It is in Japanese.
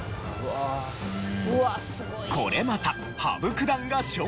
これまた羽生九段が勝利しました。